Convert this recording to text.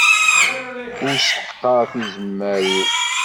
Ur sseḥqar tizemmar-iw.